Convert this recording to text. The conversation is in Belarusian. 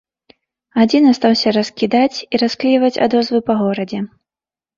Адзін астаўся раскідаць і расклейваць адозвы па горадзе.